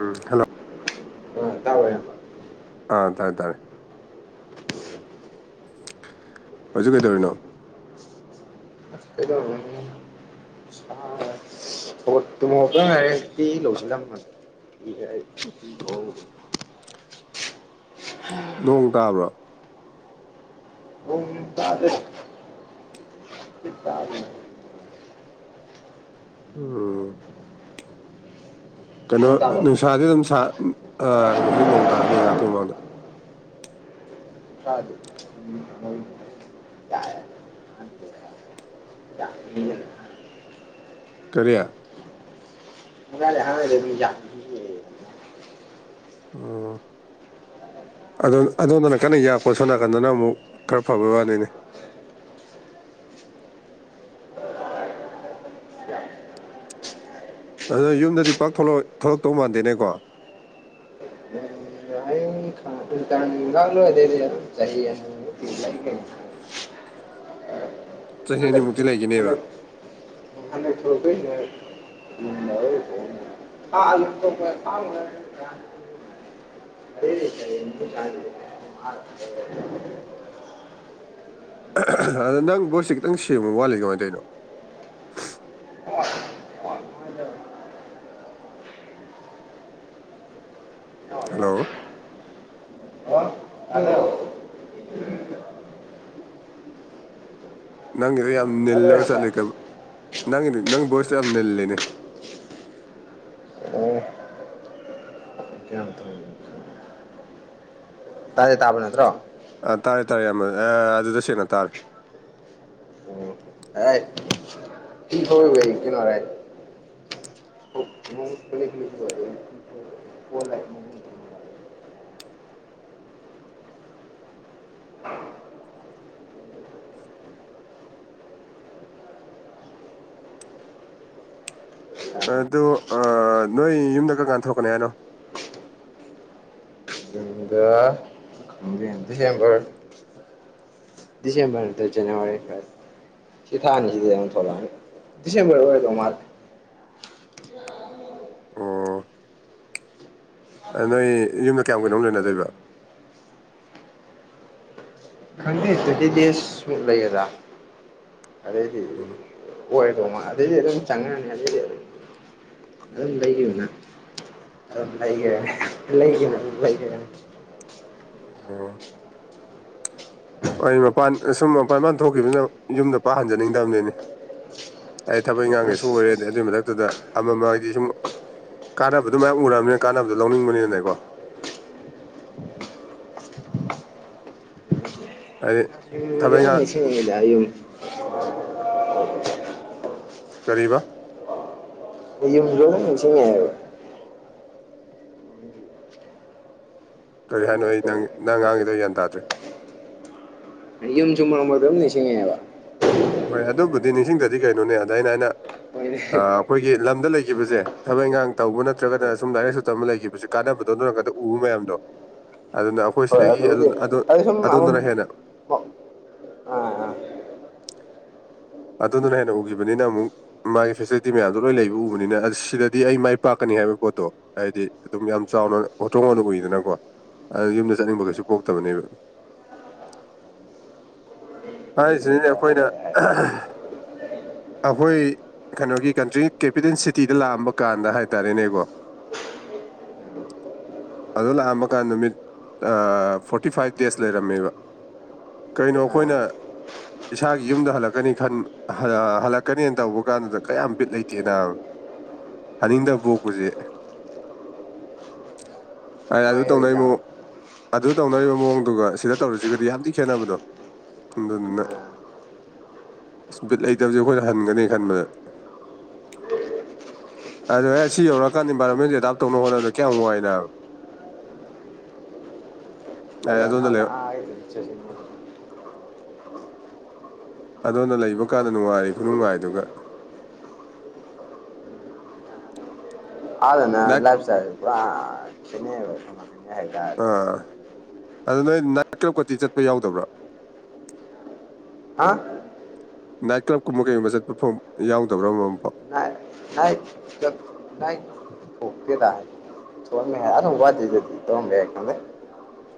ꯎꯝ hello ꯑ ꯇꯥ [unintelligible] ꯑꯥ ꯇꯥꯔꯦ ꯇꯥꯔꯦ ꯍꯧꯖꯤꯛ ꯀꯩꯗꯧꯔꯤꯅꯣ [unintelligible] [unintelligible] ꯍꯧꯒꯠ ꯇꯨꯝ ꯍꯧꯒꯠꯇ ꯉꯥꯢꯔꯤ ꯐꯤ ꯂꯧꯖꯤꯟꯂꯝꯕꯅꯦ [inaudible] [inaudible] ꯅꯣꯡ ꯇꯥꯕ꯭ꯔꯣ ꯅꯣꯡ ꯇꯥꯗꯦ ꯎꯝ꯫ ꯀꯩꯅꯣ ꯅꯣꯡ ꯇꯥꯕ꯭ꯔꯣ ꯅꯨꯡꯁꯥꯥꯗꯤ ꯑꯗꯨꯝ ꯁꯥ ꯍꯧꯖꯤꯛ ꯅꯣꯡ ꯇꯥꯔꯃꯦ ꯉꯥꯥꯛꯇꯀꯤ ꯃꯃꯥꯡꯗ [inaudible] ꯌꯥꯏ [inaudible] ꯀꯔꯤ [unintelligible] ꯎꯝ ꯑꯗꯣꯟ ꯑꯗꯣꯗꯅ ꯀꯟꯅ ꯌꯥꯛꯄ ꯁꯣꯝ ꯅꯥꯀꯟꯗꯅ ꯑꯃꯨꯛ ꯈꯔ ꯐꯕꯩ ꯋꯥꯅꯤꯅꯦ ꯑꯗꯨꯗꯤ ꯌꯨꯝꯗꯗꯤ ꯄꯥꯛ ꯊꯣꯛꯂꯛ ꯑꯣꯢ ꯊꯣꯛꯂꯛꯇꯧ ꯃꯥꯟꯗꯦꯅꯦꯀꯣ [unintelligible] [unintelligible] ꯆꯍꯤ ꯑꯅꯤꯃꯨꯛꯇꯤ ꯂꯩꯒꯤꯅꯤ ꯆꯍꯤ ꯍꯟꯗꯛ ꯑꯅꯤꯃꯨꯛꯇꯤ ꯂꯩꯒꯤꯅꯤꯕ [unintelligible] ꯎ [inaudible] ꯫ [inaudible] ꯍ ꯆꯔ ꯌꯦ [inaudible] ꯑꯗꯣ ꯅꯪ ꯕꯣꯠꯁꯦ ꯈꯤꯇꯪ ꯁꯦꯡꯕ ꯋꯥꯠꯂꯤ ꯀꯃꯥꯏꯅ ꯇꯧꯅꯣ ꯍꯜꯂꯣ ꯋꯥ [inaudible] ꯍꯥꯜꯂꯣ ꯅꯪꯒꯤꯗꯣ ꯌꯥꯝ ꯅꯤꯜꯂꯒ ꯆꯠꯂꯤ ꯀꯤꯝ ꯅꯪꯒꯤꯗꯣ ꯅꯪ ꯕꯣꯏꯁꯇꯣ ꯌꯥꯝ ꯅꯤꯜꯂꯤꯅꯦ ꯑꯣ ꯇꯥꯥꯗꯤ ꯇꯥꯕ ꯅꯠꯇ꯭ꯔꯣ ꯑꯥ ꯇꯥꯔꯦ ꯇꯥꯔꯦ ꯢꯌꯥꯝꯕ ꯑ ꯑꯗꯨꯗ ꯁꯦꯡꯅ ꯇꯥꯔꯦ ꯑꯣ ꯌꯥ [unintelligible] ꯅꯣꯡ ꯄꯠꯂꯤ ꯄꯠꯂꯤ ꯆꯨꯕ [unintelligible] ꯑꯗꯨ ꯑ ꯅꯣꯏ ꯌꯨꯝꯗ ꯀꯔꯝꯀꯥꯟ ꯊꯣꯛꯛꯀꯅꯤ ꯍꯥꯏꯅꯣ ꯌꯨꯝꯗ ꯗꯤꯁꯦꯝꯕꯔ ꯗꯤꯁꯦꯝꯕꯔꯗ ꯅꯠꯇꯔ ꯖꯅꯋꯥꯔꯤ ꯁꯤ ꯊꯥ ꯑꯅꯤꯁꯤꯗꯩ ꯑꯃ ꯊꯣꯛꯂꯛꯑꯅꯤ ꯗꯤꯁꯦꯝꯕꯔꯗ ꯑꯣꯏꯔꯗꯧ ꯃꯥꯜꯂꯦ ꯑꯣ ꯅꯣꯏ ꯌꯨꯝꯗ ꯀꯌꯥꯝ ꯀꯨꯏꯅ ꯗꯤꯁꯦꯝꯕꯔ ꯑꯣꯏ ꯂꯩꯅꯗꯣꯏꯕ ꯈꯪꯗꯦ ꯇ꯭ꯋꯦꯟꯇꯤ [inaudible] ꯗꯦꯖꯃꯨꯛ ꯂꯩꯒ꯭ꯔꯥ ꯑꯗꯩꯗꯤ ꯑꯣꯏꯗꯧ [inaudible] ꯑꯗꯨꯗꯩꯗꯤ ꯑꯗꯨꯝ ꯆꯪꯉꯅꯤ ꯑꯗꯨꯗꯩꯗꯤ ꯑꯗꯨꯝ ꯑꯗꯨꯝ ꯂꯩꯒꯤꯕꯅ ꯑꯗꯨꯝ ꯂꯩꯒꯔꯦꯗꯅ ꯂꯩꯒꯤꯕꯅ ꯑꯗꯨꯝ ꯂꯩꯒꯔꯦ ꯑꯝ ꯃꯄꯥꯟ ꯁꯨꯝ ꯃꯄꯥꯟ ꯏꯄꯥꯟ ꯊꯣꯛꯈꯤꯕꯅ ꯌꯨꯝꯗ ꯄꯥꯛ ꯍꯟꯖꯤꯟꯅꯤꯡꯗꯕꯅꯤꯅꯦ ꯑꯩ ꯊꯕꯛ ꯏꯈꯥꯡꯒꯦꯁꯨ ꯑꯣꯏꯔꯦꯅꯦ ꯑꯗꯨꯒꯤ ꯃꯊꯛꯇꯨꯗ ꯑꯃ ꯑꯃꯒꯤ ꯁꯨꯝ ꯀꯥꯟꯅꯕꯗꯣ ꯃꯌꯥꯝ ꯎꯔꯕꯅꯤꯅ ꯀꯥꯟꯅꯕꯗꯣ ꯂꯧꯅꯤꯡꯕꯅꯤꯅꯀꯣ ꯍꯥꯢꯗꯤ ꯗ ꯌꯨꯝ [inaudible] ꯀꯔꯤꯕ ꯌꯨꯝ ꯖꯨ ꯑꯃꯨꯛ ꯅꯤꯡꯁꯤꯡꯉꯦ ꯍꯥꯏꯕ ꯀꯔꯤ ꯃꯔꯛ ꯍꯥꯏꯅꯣ ꯑꯩ ꯃꯔꯛꯇ ꯅꯪ ꯅꯪ ꯉꯥꯡꯉꯦꯗꯣ ꯑꯩ ꯒ꯭ꯌꯥꯟ ꯇꯥꯗ꯭ꯔꯦ ꯌꯨꯝꯁꯨ ꯃꯔꯛ ꯃꯔꯛꯗ ꯑꯗꯨꯝ ꯅꯤꯁꯤꯡꯉꯦꯕ ꯍꯣꯏ ꯑꯗꯨꯕꯨꯗꯤ ꯅꯤꯡꯁꯤꯡꯗꯗꯤ ꯀꯩꯅꯣꯅꯦ ꯑꯗ ꯑꯩꯅ ꯍꯣꯏꯅꯦ ꯑꯩꯈꯣꯏꯒꯤ ꯂꯝꯗ ꯂꯩꯈꯤꯕꯁꯦ ꯊꯕꯛ ꯏꯪꯈꯥꯡ ꯇꯧꯕ ꯅꯠꯇ꯭ꯔꯒꯅ ꯁꯨꯝ ꯂꯥꯏꯔꯤꯛ ꯂꯥꯏꯁꯨ ꯇꯝꯕ ꯂꯩꯈꯤꯕꯁꯦ ꯀꯥꯟꯅꯕꯗꯣ ꯑꯗꯨ ꯅꯒꯥꯟꯗ ꯎꯕ ꯃꯌꯥꯝꯗꯣ ꯑꯗꯨꯅ ꯑꯩꯈꯣꯏ ꯍꯣꯏ ꯁꯤꯗꯒꯤ ꯑꯗꯨꯕꯨꯗꯤ ꯑꯗꯨ ꯁꯨꯝ ꯑꯃ ꯑꯗꯣꯝꯗꯅ ꯍꯦꯟꯅ ꯑꯥ ꯑꯗꯨꯗꯒꯤ ꯍꯦꯟꯅ ꯎꯈꯤꯕꯅꯤꯅ ꯑꯃꯨꯛ ꯃꯥꯒꯤ ꯐꯦꯁꯤꯂꯤꯇꯤ ꯃꯌꯥꯝꯗꯣ ꯂꯣꯏ ꯂꯩꯕ ꯎꯕꯅꯤꯅ ꯁꯤꯗꯗꯤ ꯑꯩ ꯃꯥꯏ ꯄꯥꯛꯀꯅꯤ ꯍꯥꯏꯕ ꯄꯣꯠꯇꯣ ꯍꯥꯏꯗꯤ ꯑꯗꯨꯝ ꯌꯥꯝ ꯆꯥꯎꯅ ꯍꯣꯇꯔꯣ ꯍꯣꯅ ꯎꯨꯏꯗꯅꯀꯣ ꯑꯗꯨ ꯌꯨꯝꯗ ꯆꯠꯅꯤꯡꯕ ꯀꯩꯁꯨ ꯄꯣꯛꯇꯕꯅꯦꯕ ꯍꯥꯏꯁꯤꯅꯦ ꯑꯩꯈꯣꯏꯅ ꯑꯥ ꯑꯩꯈꯣꯏ ꯀꯩꯅꯣꯒꯤ ꯀꯟꯇ꯭ꯔꯤ ꯀꯦꯄꯤꯇꯦꯜ ꯁꯤꯇꯤꯗ ꯂꯥꯛꯑꯝꯕ ꯀꯥꯟꯗ ꯍꯥꯏꯇꯥꯔꯦꯅꯦꯕꯣ ꯫ [unintelligible] ꯑꯗꯣ ꯂꯥꯛꯑꯝꯃꯀꯥꯟꯗ ꯅꯨꯃꯤꯠ ꯐꯣꯔꯇꯤ ꯐꯥꯏꯚ ꯗꯦꯖ ꯂꯩꯔꯝꯃꯦꯕ ꯀꯩꯅꯣ ꯑꯥ ꯑꯩꯈꯣꯏꯅ ꯏꯁꯥꯒꯤ ꯌꯨꯝꯗ ꯍꯜꯂꯛꯀꯅꯤ ꯍꯜꯂꯛꯀꯅꯤꯅ ꯇꯧꯕ ꯀꯥꯟꯗꯨꯗ ꯀꯌꯥꯝ ꯄꯤꯠ ꯂꯩꯇꯦꯅ ꯍꯥꯅꯤꯡꯗꯕ ꯄꯣꯛꯄꯁꯦ ꯑꯗ ꯃꯣꯏ ꯇꯧꯅꯩ ꯑꯦꯛꯖꯥꯝ ꯃꯑꯣꯡ ꯑꯗꯨ ꯇꯧꯅꯔꯤꯕ ꯃꯑꯣꯡꯗꯨꯒ ꯁꯤꯗ ꯇꯧꯔꯁꯤꯒꯗꯤ ꯌꯥꯝ ꯊꯤꯅ ꯈꯦꯠꯅꯕꯗꯣ ꯑꯗꯨꯗꯨꯅ ꯑꯥ ꯄꯤꯠ ꯂꯩꯇꯕꯁꯦ ꯑꯩꯈꯣꯏꯅ ꯍꯟꯒꯅꯤ ꯈꯟꯕꯗ ꯑꯗ ꯑꯩ ꯁꯤ ꯌꯧꯔꯛꯀꯥꯟ ꯏꯟꯚꯥꯏꯔꯣꯟꯃꯦꯟꯁ ꯑꯦꯗꯥꯞ ꯇꯧꯅꯕ ꯍꯣꯠꯅꯕꯗ ꯀꯌꯥꯝ ꯋꯥꯏ ꯅꯕ ꯫ [unintelligible] ꯫ [inaudible] ꯑꯗꯣꯝꯗ ꯂꯩꯕ ꯀꯥꯟꯗ ꯅꯨꯡꯉꯥꯏꯔꯤ ꯈꯨꯅꯨꯡꯉꯥꯏꯗꯨꯒ ꯑꯗꯨꯅ ꯅꯥꯏꯠ ꯂꯥꯏꯐ ꯢꯁꯇꯥꯟ ꯁꯤ ꯄꯨꯔ ꯈꯦꯟꯅꯩꯕ ꯑ ꯑꯗꯨ ꯅꯣꯏ ꯅꯥꯏꯠ ꯀ꯭ꯂ꯭ꯔꯕꯀꯇꯤ ꯆꯠꯄ ꯌꯥꯎꯗꯕ꯭ꯔꯥ ꯍꯥ ꯅꯥꯏꯠ ꯀ꯭ꯂꯕꯀꯨꯝꯕ ꯀꯩꯒꯨꯝꯕ ꯆꯠꯄ ꯐꯥꯎ ꯌꯥꯎꯗꯕ꯭ꯔꯥ ꯃꯝꯐꯥꯎ ꯉ [inaudible] ꯦꯗ [inaudible] ꯊ ꯌꯥꯔꯣ [inaudible] ꯋꯥꯗ ꯑꯗꯨꯗꯤ ꯇꯉꯦ ꯌꯥꯀ꯭ꯔꯦ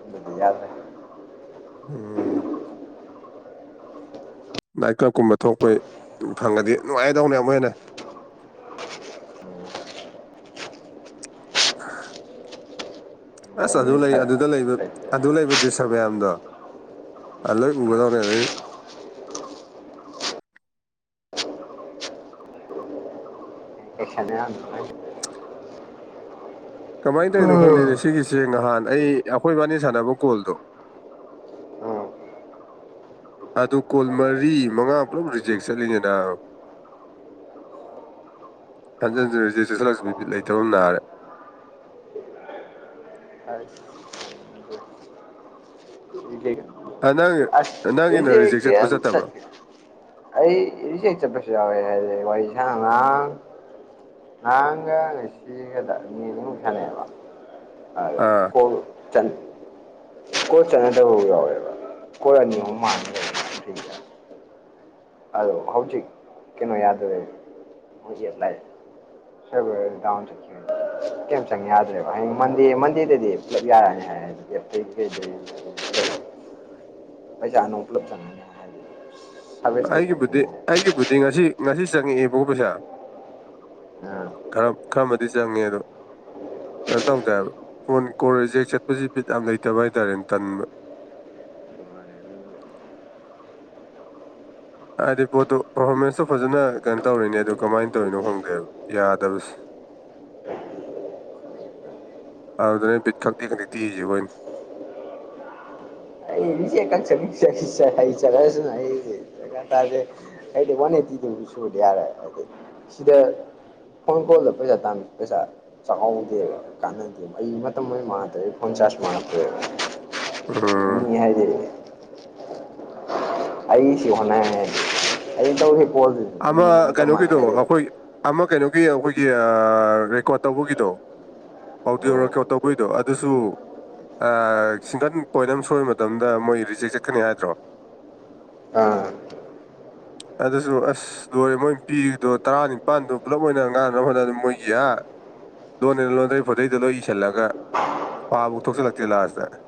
ꯑꯗꯨꯗꯤ ꯌꯥꯔꯦ꯫ ꯑꯝ ꯅꯥꯏ ꯀꯔꯥꯞꯀꯨꯝꯕ ꯊꯣꯛꯄꯩ ꯐꯪꯉꯗꯤ ꯅꯨꯡꯉꯥꯏꯗꯧꯅꯦ ꯑꯃꯨꯛ ꯍꯦꯟꯅ ꯑ [inaudible] ꯑꯁ ꯃꯑꯣꯡ ꯑꯃ ꯑꯗꯨ ꯂꯩ ꯏꯁꯥ ꯑꯗꯨꯗ ꯑꯁ ꯂꯩꯕ ꯑꯩ ꯑꯗꯨ ꯂꯩꯕ ꯗ꯭ꯔꯤꯁ ꯃꯌꯥꯝꯗꯣ ꯂꯣꯢ ꯎꯒꯗꯧꯅꯦ ꯑꯗꯒꯤ ꯑꯦꯈꯅꯦ ꯑꯗ [inaudible] ꯀꯃꯥꯏꯅ ꯇꯧꯔꯤꯅꯣ ꯈꯪꯗꯦꯅꯦ ꯁꯤꯒꯤꯁꯦ ꯅꯍꯥꯟ ꯑꯩ ꯑꯩꯈꯣꯏ ꯏꯕꯥꯅꯤ ꯁꯥꯟꯅꯕ ꯀꯣꯜꯗꯣ ꯑꯗꯨ ꯀꯣꯜ ꯃꯔꯤ ꯃꯉꯥ ꯄꯨꯂꯞ ꯔꯤꯖꯦꯛ ꯆꯠꯂꯤꯅꯦ ꯅꯕ ꯍꯥꯟꯖꯤꯟ ꯍꯥꯟꯖꯤꯟ ꯔꯦꯖꯤꯠ ꯆꯠꯁꯤꯜꯂꯛꯄꯁꯤꯗ ꯕꯤꯠ ꯂꯩꯇꯕꯅ ꯅꯥꯔꯦ ꯏꯒ [inaudible] ꯑꯗ ꯅꯪ ꯅꯪꯒꯤꯅ ꯔꯤꯖꯦꯛ ꯕꯤꯖꯩꯀꯤꯌꯥ ꯆꯠꯄ꯭ꯔꯥ ꯆꯠꯇꯕ꯭ꯔꯣ ꯁꯁ [inaudible] ꯑꯩ ꯔꯦꯖꯦꯠ ꯆꯠꯄꯁꯨ ꯌꯥꯎꯋꯦ ꯍꯥꯢꯔꯤ ꯋꯥꯔꯤ ꯁꯅ ꯉꯔꯥꯡ ꯉꯔꯥꯡꯒ ꯉꯥꯁꯤꯒꯗ ꯃꯤ ꯈꯨꯟꯃꯨꯛ ꯁꯥꯅꯩꯕꯥ ꯑꯥ ꯀꯣꯜ ꯀꯣꯜ ꯆꯠꯅꯗꯕ ꯌꯥꯎꯋꯦꯕ ꯑꯅꯤ ꯑꯍꯨꯝ ꯃꯥ [inaudible] ꯊ [inaudible] ꯑꯗꯣ ꯍꯧꯖꯤꯛ ꯀꯩꯅꯣ ꯌꯥꯗ꯭ꯔꯦ ꯍꯧꯖꯤꯛ ꯁꯥꯢꯕꯥꯔ ꯗꯥꯎ [unintelligible] ꯀꯩꯝ ꯆꯪ ꯌꯥꯗ꯭ꯔꯦꯕ ꯍꯌꯦꯡ ꯃꯟꯗꯦ ꯃꯟꯗꯦꯗꯗꯤ ꯄꯨꯂꯞ ꯌꯥꯔꯛꯑꯅꯤ ꯍꯥꯏ [unintelligible] ꯄꯩꯁꯥ ꯅꯣꯡ ꯄꯨꯂꯞ ꯆꯪꯉꯥꯅꯤ ꯍꯥꯢꯕꯅꯤ ꯑꯩꯒꯤꯕꯨꯗꯤ ꯑꯩꯒꯤꯕꯨꯗꯤ ꯉꯁꯤ ꯉꯁꯤ ꯆꯪꯉꯛꯌꯦꯕꯒꯣ ꯄꯩꯁꯥ ꯑꯥ꯫ ꯈꯔ ꯈꯔꯃꯗꯤ ꯆꯪꯉꯦ ꯑꯗꯣ ꯀꯩꯅꯣ ꯇꯧꯗꯦ ꯍꯥꯢꯕ ꯀꯣꯟ ꯔꯤꯖꯦꯠ ꯆꯠꯄꯁꯤ ꯕꯤꯠ ꯌꯥꯝ ꯂꯩꯇꯦꯕ ꯍꯥꯏꯇꯥꯔꯦꯅꯦ ꯇꯟꯕ ꯍꯥꯏꯗꯤ ꯄꯣꯠꯇꯣ ꯄꯔꯐꯣꯔꯃꯦꯟꯁꯇꯣ ꯐꯖꯅ ꯀꯩꯅꯣ ꯇꯧꯔꯤꯅꯦ ꯑꯗꯨ ꯀꯃꯥꯏꯅ ꯇꯧꯔꯤꯅꯣ ꯈꯪꯗꯦꯕ ꯌꯥꯗꯕꯁꯤ ꯑꯗꯨꯅꯦ ꯕꯤꯠ ꯈꯪꯇꯦꯛ ꯈꯪꯇꯦꯛ ꯇꯦꯛꯢꯁꯤ ꯑꯩꯈꯣꯏꯅ ꯀꯛ ꯆ ꯆ ꯆꯂꯁꯨꯅ ꯑꯩ ꯇꯦ [inaudible] ꯑꯩꯗꯤ ꯋꯥꯟ ꯑꯦꯇꯤ ꯒꯨꯝꯕ ꯁꯨꯔꯗꯤ ꯌꯥꯔꯦ ꯍꯥꯏꯗꯤ ꯁꯤꯗ ꯐꯣꯟ ꯀꯣꯜꯗ ꯄꯩꯁꯥ ꯇꯥꯟꯕ ꯄꯩꯁꯥ ꯆꯥꯛꯍꯧꯗꯦꯕ ꯀꯥꯟꯅꯗꯦꯕ ꯑꯩ ꯃꯇꯝ ꯑꯣꯏꯅꯥ ꯃꯥꯡꯉ ꯇꯣꯛꯌꯦ ꯐꯣꯟ ꯆꯥꯔ ꯑꯣꯏꯅ ꯃꯉꯥ ꯇꯣꯛꯌꯦ ꯑꯝ ꯃꯤ ꯍꯥꯏꯗꯤ ꯑꯩ ꯁꯤ ꯍꯅꯦ [inaudible] ꯑꯩ ꯇꯧꯁꯤ ꯄꯣꯜꯁꯤ ꯑꯃ ꯀꯩꯅꯣꯒꯤꯗꯣ ꯑꯩꯈꯣꯏ ꯑꯃ ꯀꯩꯅꯣꯒꯤ ꯑꯩꯈꯣꯏꯒꯤ ꯔꯦꯀꯣꯠ ꯇꯧꯕꯒꯤꯗꯣ ꯑꯥꯎꯗꯤꯑꯣ ꯔꯦꯒꯣꯠ ꯇꯧꯕꯩ ꯑꯗꯨꯁꯨ ꯁꯤꯡꯒꯟ ꯄꯣꯏꯟ ꯑꯃ ꯁꯣꯏꯕ ꯃꯇꯝꯗ ꯃꯣꯏ ꯔꯤꯖꯦꯛ ꯆꯠꯀꯅꯤ ꯍꯥꯏꯗ꯭ꯔꯣ ꯑꯥ ꯑꯗꯨ ꯑꯁ ꯂꯣꯏꯣꯔꯦ ꯃꯣꯏꯅ ꯄꯤꯔꯤꯗꯣ ꯇꯔꯥꯅꯤꯄꯥꯥꯟꯗꯣ ꯄꯨꯂꯞ ꯑꯣꯏꯅ ꯉꯥꯡꯅꯕ ꯍꯣꯠꯅꯕ ꯃꯣꯏꯒꯤ ꯑꯥ ꯂꯣꯟꯅꯦꯅ ꯂꯣꯟꯗꯔꯩ ꯐꯣꯗꯩꯗꯣ ꯂꯣꯏ ꯏꯁꯤꯜꯂꯒ ꯄꯥꯕꯚꯧ ꯊꯣꯛꯆꯜꯂꯛꯇꯦ ꯂꯥꯁꯇ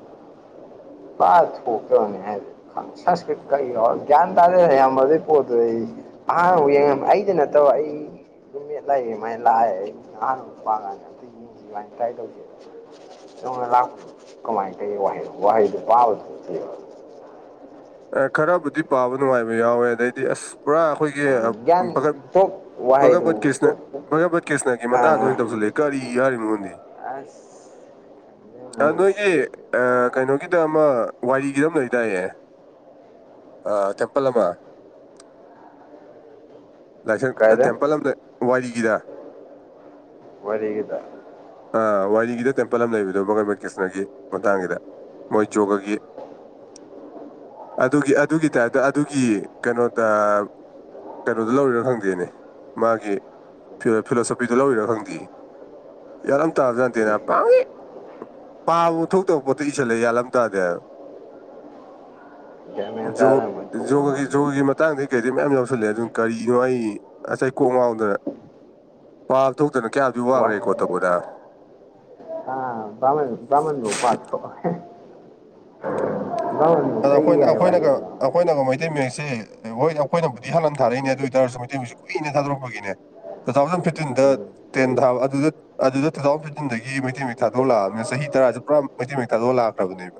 ꯄ ꯊꯣꯛꯇꯕꯅꯦ ꯍꯥꯏꯗꯤ ꯁꯪꯁꯀ꯭ꯔꯤꯠꯀ ꯌꯥꯎꯔ ꯒ꯭ꯌꯥꯟ ꯇꯥꯗꯦꯖ ꯢꯌꯥꯝꯕ ꯑꯗꯩꯢ ꯄꯣꯠꯇꯣ ꯑꯩ [unintelligible] ꯑꯩꯗꯤ ꯅꯠꯇꯕ ꯑꯩ ꯔꯨꯝꯃꯦꯠ ꯃꯥꯏ ꯂꯥꯛꯑꯦ ꯑꯩ ꯑꯍꯥꯟꯕ ꯄꯥꯀꯥꯟ ꯑꯗꯨꯁꯤꯃꯥꯏꯅ ꯇ꯭ꯔꯥꯏ ꯇꯧꯖꯦꯅ ꯂꯥꯛ ꯀꯃꯥꯏ ꯀꯩ ꯋꯥꯍꯩꯅꯣ ꯋꯥꯍꯤꯗꯨ ꯄꯥꯕ ꯊꯣꯛꯇꯦꯕ ꯈꯔꯕꯨꯗꯤ ꯄꯥꯕ ꯅꯨꯡꯉꯥꯏꯕ ꯌꯥꯎꯋꯦ ꯑꯗꯩꯗꯤ ꯑꯁ ꯄꯨꯔꯥ ꯑꯩꯈꯣꯏꯒꯤ ꯒ꯭ꯌꯥꯟ ꯇꯣꯞ ꯋꯥꯍꯩꯗꯨ ꯚꯥꯒꯕꯠ ꯀ꯭ꯔꯤꯁꯅ ꯇꯣꯞ ꯚꯒꯕꯠ ꯀ꯭ꯔꯤꯁꯅꯒꯤ ꯃꯇꯥꯡꯗ ꯑꯥ ꯑꯣꯏꯅ ꯇꯧꯁꯤꯜꯂꯛꯌꯦ ꯀꯔꯤ ꯍꯔꯤꯅꯣ ꯈꯪꯗꯦ ꯑꯁ ꯅꯣꯏꯒꯤ ꯀꯩꯅꯣꯒꯤꯗ ꯑꯃ ꯋꯥꯏꯔꯤꯒꯤꯗ ꯑꯃ ꯂꯩꯗꯥꯢꯅꯦ ꯑ ꯇꯦꯝꯄꯜ ꯑꯃ ꯂꯥꯏꯁꯪ ꯀꯥꯏꯗ ꯇꯦꯝꯄꯜ ꯑꯃ ꯋꯥꯔꯤꯒꯤꯗ ꯋꯥꯔꯤꯒꯤꯗ ꯋꯥꯏꯔꯤꯒꯤꯗ ꯇꯦꯝꯄꯜ ꯑꯃ ꯂꯩꯕꯗꯣ ꯕꯒꯕꯥꯟ ꯀ꯭ꯔꯤꯁꯅꯒꯤ ꯃꯇꯥꯡꯒꯤꯗ ꯃꯣꯏ ꯌꯣꯒꯒꯤ ꯑꯗꯨꯒꯤ ꯑꯗꯨꯒꯤ ꯇꯥꯏꯞꯇ ꯑꯗꯨꯒꯤ ꯀꯩꯅꯣꯗ ꯀꯩꯅꯣꯗ ꯂꯧꯔꯤꯔꯣ ꯈꯪꯗꯦꯅꯦ ꯃꯥꯒꯤ ꯐꯤꯂꯣꯁꯣꯐꯤꯗ ꯂꯧꯔꯤꯔꯣ ꯈꯪꯗꯤꯌꯦ ꯒꯌ꯭ꯥꯟ ꯑꯃ ꯇꯥꯕ ꯖꯥꯠ ꯅꯠꯇꯦꯗ ꯄꯪꯢꯛ ꯄꯥꯕꯚꯧ ꯊꯣꯛꯇꯕ ꯄꯣꯠꯇꯣ ꯏꯁꯜꯂꯦ ꯒꯌ꯭ꯥꯟꯂꯝ ꯇꯥꯗꯦ ꯍꯥꯢꯕ ꯒ꯭ꯌꯥꯟ ꯃꯦꯟ ꯖꯣ ꯇꯥꯗꯅ ꯃꯣꯏ ꯊꯣꯛꯄ ꯑꯃ ꯖꯣꯒꯒꯤ ꯖꯣꯒꯒꯤ ꯃꯇꯥꯡꯗꯒꯤ ꯀꯩꯗꯩ ꯃꯌꯥꯝ ꯌꯥꯎꯁꯜꯂꯑꯦ ꯑꯗꯨ ꯀꯔꯤꯅꯣ ꯑꯩ ꯑꯁ ꯑꯩ ꯀꯣꯛ ꯉꯥꯎꯗꯅ ꯄꯥꯕ ꯊꯣꯛꯇꯅ ꯀꯌꯥꯗꯤ ꯋꯥꯒ꯭ꯔꯦ ꯋꯥꯍꯩ ꯔꯦꯀꯣꯔꯗ ꯇꯧꯕꯗ ꯑꯥ ꯄꯥꯡꯒꯟ ꯄꯥꯡꯒꯟꯚꯧ ꯄꯥ ꯊꯣꯛꯑꯣꯢ ꯑꯗ ꯑꯩꯈꯣꯏꯅ ꯑꯩꯈꯣꯏꯅꯒ ꯑꯩꯈꯣꯏꯅꯒ ꯃꯩꯇꯩ ꯃꯌꯦꯛꯁꯦ ꯍꯣꯏ ꯑꯩꯈꯣꯏꯅꯕꯨꯗꯤ ꯢꯍꯥꯟ ꯍꯥꯟꯅ ꯊꯥꯔꯛꯏꯅꯦ ꯑꯗꯨ ꯑꯣꯏꯇꯥꯔꯁꯨ ꯃꯩꯇꯩ ꯃꯌꯦꯛꯁꯦ ꯀꯨꯏꯅ ꯊꯥꯗꯣꯔꯛꯄꯒꯤꯅꯦ ꯇꯨ ꯊꯥꯎꯖꯟ ꯐꯤꯞꯇꯤꯟꯗ ꯇꯦꯟ ꯊꯥꯕ ꯑꯗꯨꯗ ꯑꯗꯨꯗ ꯇꯨ ꯊꯥꯎꯟ ꯐꯤꯞꯇꯤꯟꯗꯒꯤ ꯃꯩꯇꯩ ꯃꯌꯦꯛ ꯊꯥꯗꯣꯛꯂꯛꯑꯕꯅꯤꯅ ꯆꯍꯤ ꯇꯔꯥꯥꯖꯦ ꯄꯨꯔꯥ ꯃꯩꯇꯩ ꯃꯌꯦꯛ ꯊꯥꯗꯣꯛꯑ ꯂꯥꯛꯈ꯭ꯔꯕꯅꯦꯕ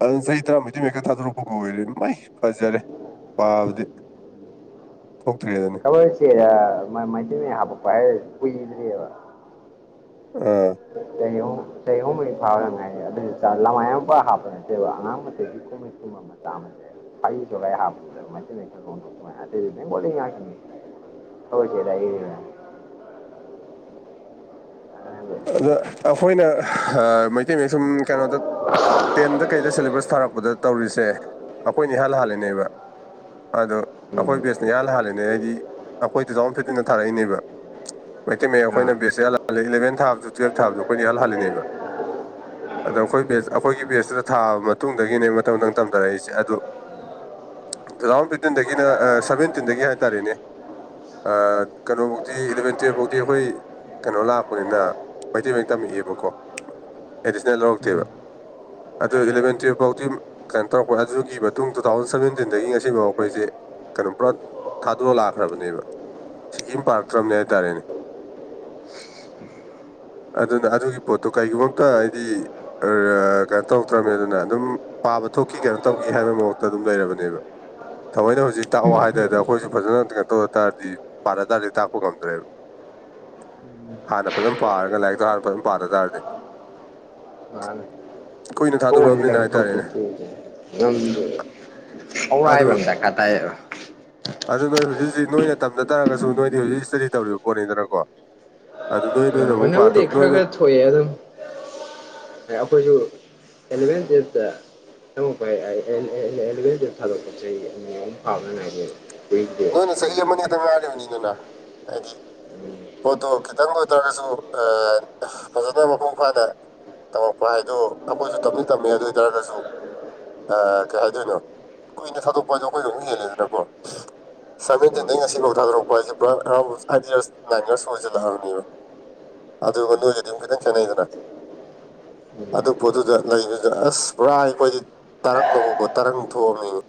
ꯑꯗꯨꯅ ꯆꯍꯤ ꯇꯔꯥ ꯃꯩꯇꯩ ꯃꯦꯛꯀ ꯊꯥꯗꯣꯔꯛꯄꯒ ꯑꯣꯏꯔꯦ ꯃꯩ ꯐꯖꯔꯦ ꯄꯥꯕꯗꯤ ꯊꯣꯛꯛꯇ꯭ꯔꯦꯗꯅ ꯈꯣꯏꯁꯦ ꯃꯩꯇꯩ ꯃꯌꯦꯛ ꯍꯥꯄꯛꯄ ꯍꯥꯏꯔ ꯀꯨꯏꯗ꯭ꯔꯤꯑꯕ ꯑꯥ ꯆꯍꯤꯍꯨꯝ ꯆꯍꯤꯍꯨꯝ ꯃꯔꯤ ꯐꯥꯕꯗ ꯉꯥꯢꯔꯤ ꯑꯗꯨ ꯂꯃꯥꯏ ꯑꯃ ꯄꯨꯔꯥ ꯍꯥꯞꯄ ꯅꯠꯇꯦꯕ ꯑꯉꯥꯡ ꯃꯆꯥꯒꯤ ꯀꯣꯃꯤꯛ ꯀꯨꯝꯕ [unintelligible] [unintelligible] ꯑꯗ ꯑꯩꯈꯣꯏꯅ ꯃꯩꯇꯩ ꯃꯌꯦꯛ ꯁꯨꯝ ꯀꯩꯅꯣꯗ ꯇꯦꯟꯗ ꯀꯩꯗ ꯁꯦꯂꯦꯕꯁ ꯊꯥꯔꯛꯄꯗ ꯇꯧꯔꯤꯁꯦ ꯑꯩꯈꯣꯏꯅꯦ ꯏꯍꯥꯟ ꯍꯥꯜꯂꯤꯅꯦꯕ ꯑꯗꯣ ꯑꯩꯈꯣꯏ ꯕꯦꯁꯅ ꯏꯍꯥꯟ ꯍꯥꯜꯂꯤꯅꯦ ꯑꯩꯗꯤ ꯑꯩꯈꯣꯏꯁꯨ ꯇꯨ ꯊꯥꯎꯖꯟ ꯐꯦꯇꯤꯟꯅ ꯊꯥꯔꯛꯏꯅꯦꯕ ꯃꯩꯇꯩ ꯃꯌꯦꯛ ꯑꯩꯈꯣꯏꯅ ꯕꯦꯁ ꯢꯍꯥꯟ ꯍꯥꯜꯂꯦ ꯏꯂꯕꯦꯟ ꯊꯥꯕꯁꯨ ꯇꯨꯌꯦꯜꯞ ꯊꯥꯕꯁꯨ ꯑꯩꯈꯣꯏꯅ ꯢꯍꯥꯜ ꯍꯥꯜꯂꯤꯅꯦꯕ ꯑꯗꯣ ꯑꯩꯈꯣꯏ ꯕꯦꯁ ꯑꯩꯈꯣꯏꯒꯤ ꯕꯦꯁꯇꯨꯗ ꯊꯥꯕ ꯃꯇꯨꯡꯗꯒꯤꯅꯦ ꯃꯊꯪ ꯃꯊꯪ ꯇꯝꯊꯔꯛꯏꯁꯦ ꯑꯗꯨ ꯇꯨ ꯊꯥꯎꯖꯟ ꯐꯤꯞꯇꯤꯟꯗꯒꯤꯅ ꯑ ꯁꯚꯦꯟꯇꯤꯟꯗꯒꯤ ꯍꯥꯏꯇꯥꯔꯦꯅꯦ ꯑ ꯀꯩꯅꯣꯐꯧꯗꯤ ꯏꯂꯚꯦꯟ ꯇꯨꯌ꯭ꯦꯜꯄ ꯐꯧꯗꯤ ꯑꯩꯈꯣꯏ ꯀꯩꯅꯣ ꯂꯥꯛꯄꯅꯤꯅ ꯃꯩꯇꯩ ꯃꯌꯦꯛ ꯇꯝꯃꯛꯑꯦꯕꯀꯣ ꯑꯦꯗꯤꯁꯅꯦꯜ ꯂꯧꯔꯛꯇꯦꯕ ꯑꯗꯣ ꯏꯂꯚꯦꯟ ꯇꯨꯌꯦꯜꯄ ꯐꯥꯎꯗꯤ ꯀꯩꯅꯣ ꯇꯧꯔꯛꯄ ꯑꯗꯨꯒꯤ ꯃꯇꯨꯡ ꯇꯨꯊꯥꯎꯖꯟ ꯁꯚꯦꯟꯇꯤꯟꯗꯒꯤ ꯉꯁꯤꯐꯥꯎ ꯑꯩꯈꯣꯏꯖꯦ ꯀꯩꯅꯣ ꯄꯨꯔꯥ ꯊꯥꯗꯣꯛꯑ ꯂꯥꯛꯈ꯭ꯔꯕꯅꯦꯕ ꯁꯤꯀꯤꯝ ꯄꯥꯔꯛꯇ꯭ꯔꯕꯅꯦ ꯍꯥꯏꯇꯥꯔꯦꯅꯦ ꯑꯗꯨꯅ ꯑꯗꯨꯒꯤ ꯄꯣꯠꯇꯣ ꯀꯩꯒꯨꯝꯕ ꯑꯝꯇ ꯍꯥꯏꯗꯤ ꯀꯩꯅꯣ ꯇꯧꯔꯛꯇ꯭ꯔꯕꯅꯤ ꯑꯗꯨꯅ ꯑꯗꯨꯝ ꯄꯥꯕ ꯊꯣꯛꯈꯤ ꯀꯩꯅꯣ ꯇꯧꯒꯤ ꯍꯥꯏꯕ ꯃꯨꯠꯇ ꯑꯗꯨꯝ ꯂꯩꯔꯕꯅꯦꯕ ꯊꯥꯃꯣꯏꯅ ꯍꯧꯖꯤꯛ ꯇꯥꯛꯑꯣ ꯍꯥꯏꯗꯗ ꯑꯩꯈꯣꯏꯁꯨ ꯐꯖꯅ ꯀꯩꯅꯣ ꯇꯧ ꯇꯥꯔꯗꯤ ꯄꯥꯟꯗꯔꯗꯤ ꯇꯥꯛꯄ ꯉꯝꯗ꯭ꯔꯦ ꯎꯝ [inaudible] ꯍꯥꯟꯅ ꯐꯖꯅ ꯄꯥꯔꯒ ꯂꯥꯏꯔꯤꯛꯇꯣ ꯍꯥꯟꯅ ꯐꯖꯅ ꯄꯥꯗ ꯇꯥꯔꯗꯤ ꯀꯨꯏꯅ ꯊꯥꯗꯣꯔꯛꯑꯕꯅꯤꯅ ꯍꯥꯏꯇꯥꯔꯦꯅꯦ ꯎꯝ ꯑꯗꯨ ꯑꯧꯔꯥꯏꯕ ꯑꯃ ꯗꯔꯀꯥꯔ ꯇꯥꯏꯌꯦꯕ ꯑꯗꯨ ꯅꯣꯏ ꯍꯧꯖꯤꯛ ꯍꯧꯖꯤꯛ ꯅꯣꯏ ꯇꯝꯗ ꯇꯥꯔꯒꯁꯨ ꯅꯣꯏꯗꯤ ꯍꯧꯖꯤꯛ ꯁꯇꯥꯗꯤ ꯇꯧꯔꯤꯕ ꯄꯣꯠꯅꯤꯗꯅꯀꯣ ꯑꯗꯨ ꯅꯣꯏ ꯅꯣꯏꯅ ꯑꯃꯨꯛ ꯅꯕꯨ ꯄꯥꯊꯣꯛ ꯗꯤ ꯈꯔ ꯅꯣꯏꯅ ꯈꯔ ꯊꯣꯛꯑ ꯑꯗꯨꯝ ꯑꯩꯈꯣꯏꯖꯨ ꯑꯦꯂꯚꯦꯟ ꯇꯨꯌꯦꯜꯄꯇ [unintelligible] ꯑꯦꯂꯕꯦꯟ ꯇꯨꯌꯦꯜꯄ ꯊꯥꯗꯣꯛꯄꯁꯦ ꯆꯍꯤ ꯑꯅꯤ ꯑꯍꯨꯝ ꯐꯥꯕꯗ ꯉꯥꯢꯔꯤꯕ ꯅꯣꯏꯅ ꯆꯍꯤ ꯑꯃ ꯈꯛꯇꯪ ꯉꯥꯢꯔꯤꯕꯅꯤꯗꯅ ꯍꯥꯏꯗꯤ ꯄꯣꯠꯇꯣ ꯈꯤꯇꯪꯗ ꯑꯣꯏꯇ꯭ꯔꯒꯁꯨ ꯐꯖꯅ ꯃꯄꯨꯡ ꯐꯥꯅ ꯇꯝꯃꯛꯄ ꯍꯥꯏꯗꯣ ꯑꯩꯈꯣꯏꯁꯨ ꯇꯝꯗꯤ ꯇꯝꯃꯦ ꯑꯗꯨ ꯑꯣꯏ ꯇꯥꯔꯒꯁꯨ ꯑ ꯀꯩ ꯍꯥꯏꯗꯣꯏꯅꯣ ꯀꯨꯏꯅ ꯊꯥꯗꯣꯛꯄ ꯍꯥꯏꯗꯣ ꯑꯩꯈꯣꯏꯗ ꯍꯦꯜꯂꯦꯗꯅꯀꯣ ꯁꯚꯦꯟꯇꯤꯟꯗꯩ ꯉꯁꯤꯐꯥꯎ ꯊꯥꯗꯣꯔꯛꯄ ꯍꯥꯏꯁꯦ ꯄꯨꯔꯥ around eight years nine years ꯑꯣꯏꯁꯤꯜꯂꯛꯑꯕꯅꯦꯕ ꯑꯗꯨꯒ ꯅꯣꯢꯒꯗꯤ ꯑꯃꯨꯛ ꯈꯤꯇꯪ ꯇꯦꯠꯅꯩꯗꯅ ꯑꯗꯨ ꯄꯣꯠꯇꯗ ꯂꯩꯕꯗꯨꯗ ꯑꯁ ꯄꯨꯔꯥ ꯑꯩꯈꯣꯏꯗꯤ ꯇꯔꯪꯕ ꯇꯔꯪ ꯊꯣꯛꯑꯝꯃꯤꯅꯦ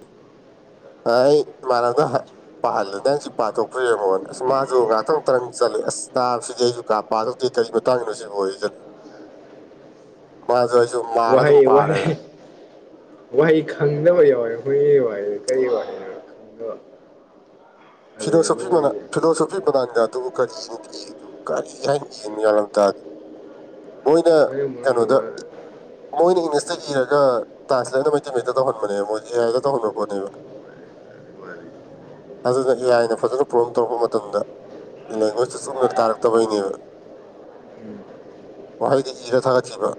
ꯑꯩ ꯃꯅꯕꯅ ꯄꯥꯍꯜꯂꯦ ꯅꯪ ꯁꯤ ꯄꯥꯊꯣꯛꯄ꯭ꯔ ꯌꯦꯡꯉꯣꯅ ꯑꯁ ꯃꯥꯁꯨ ꯉꯍꯥꯛꯇꯪ ꯇꯔꯪ ꯆꯠꯂꯦ ꯑꯁ ꯅꯥꯕꯥ ꯁꯤꯗꯤ ꯑꯩꯁꯨ ꯀꯥ ꯄꯥꯊꯣꯛꯇꯦ ꯀꯔꯤ ꯇꯪꯅꯨꯁꯤ ꯑꯣꯏꯗꯅꯤ ꯃꯥꯁꯨ ꯑꯩꯁꯨ ꯃꯥꯔ ꯑꯗꯨꯝ ꯋꯥꯍꯩ ꯄꯥꯔꯦ ꯋꯥꯍꯩ ꯋꯥꯍꯩ ꯈꯪꯗꯕ ꯌꯥꯎꯋꯦ ꯍꯣꯏ ꯋꯥꯍꯩꯗꯨ ꯀꯔꯤ ꯋꯥꯍꯩꯅꯣ ꯈꯪꯗꯕ ꯑꯗꯨꯅꯤ ꯐꯤꯂꯣꯁꯣꯐꯤ ꯃꯅꯥ ꯂꯨꯔꯤꯁꯦ ꯐꯤꯂꯣꯁꯣꯐꯤ ꯕꯅꯥꯟꯒꯗꯨꯕꯨ ꯀꯔꯤꯅ ꯏꯗꯨ ꯀꯔꯤ ꯍꯥꯏꯅ ꯏꯅꯣ ꯒꯌꯥꯟ ꯑꯃ ꯇꯥꯗꯦ ꯃꯣꯏꯅ ꯑꯩꯈꯣꯏꯅ ꯀꯩꯅꯣꯗ ꯃꯔꯣꯟ ꯃꯣꯏꯅ ꯏꯪꯂꯤꯁꯇ ꯏꯔꯒ ꯇ꯭ꯔꯥꯟꯁꯂꯦꯠꯅ ꯃꯩꯇꯩ ꯃꯌꯦꯛꯇ ꯇꯧꯍꯟꯕꯅꯦꯕ ꯃꯣꯏꯒꯤ ꯑꯦ ꯑꯥꯏꯗ ꯇꯧꯍꯟꯕ ꯄꯣꯠꯅꯦꯕ ꯑꯃ ꯑꯗꯨꯅ ꯑꯦ ꯑꯥꯏꯅ ꯐꯖꯅ ꯄ꯭ꯔꯣꯝ ꯇꯧꯔꯛꯄ ꯃꯇꯝꯗ ꯂꯦꯡꯒ꯭ꯋꯦꯖꯇ ꯆꯨꯝꯅ ꯇꯥꯔꯛꯇꯕꯩꯅꯦꯕ ꯋꯥꯍꯩꯗ ꯏꯔꯥ ꯊꯥꯒꯠꯈꯤꯕ